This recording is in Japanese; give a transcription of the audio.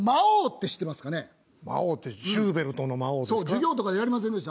授業とかでやりませんでした？